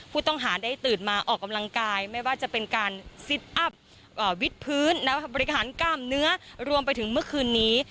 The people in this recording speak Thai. ผู้ต้องหาได้ตื่นมาออกกำลังกายไม่ว่าจะเป็นการซิตอัพวิทย์พื้นบริหารกล้ามเนื้อรวมไปถึงเมื่อคืนนี้